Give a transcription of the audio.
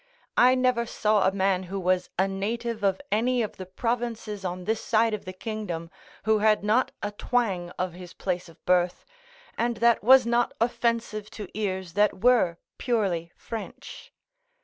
I never saw a man who was a native of any of the provinces on this side of the kingdom who had not a twang of his place of birth, and that was not offensive to ears that were purely French.